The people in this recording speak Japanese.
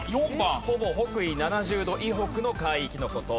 ほぼ北緯７０度以北の海域の事。